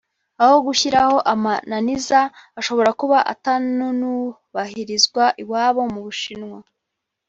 aho gushyiraho amananiza ashobora kuba atanunubahirizwa iwabo (mu Bushinwa)